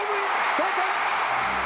同点！